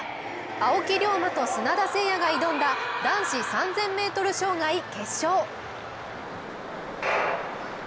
青木涼真と砂田晟弥が挑んだ男子３０００ｍ障害決勝。